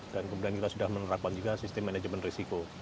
dan kemudian kita sudah menerapkan juga sistem manajemen risiko